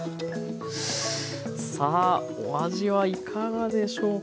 さあお味はいかがでしょうか。